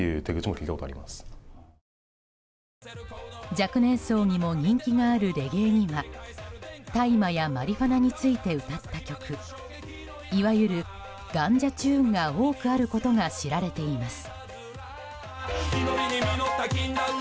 若年層にも人気があるレゲエには大麻やマリフアナについて歌った曲いわゆるガンジャチューンが多くあることが知られています。